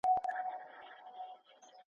بس همدومره مي زده کړي له استاده